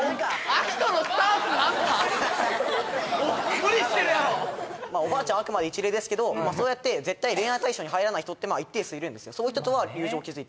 ・無理してるやろおばあちゃんはあくまで一例ですけどそうやって絶対恋愛対象に入らない人って一定数いるんですよどう？